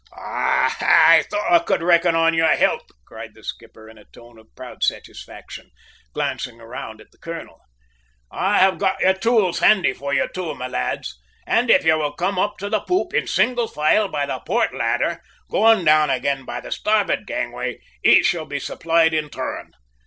"Ah, I thought I could reckon on your help," cried the skipper in a tone of proud satisfaction, glancing round at the colonel. "I have got your tools handy for you, too, my lads; and if you will come up to the poop in single file by the port ladder, going down again by the starboard gangway, each shall be supplied in turn.